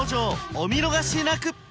お見逃しなく！